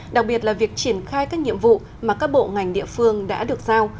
đặc biệt là việc triển khai các nhiệm vụ mà các bộ ngành địa phương đã được giao